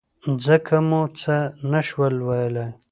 ځکه مو څه نه شول ویلای.